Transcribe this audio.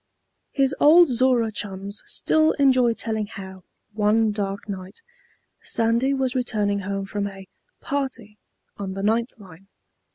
His old Zorra chums still enjoy telling how, one dark night, Sandy was returning home from a "party" on the ninth line.